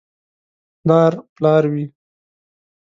• پلار پلار وي.